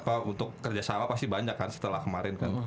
apa untuk kerja sama pasti banyak kan setelah kemarin kan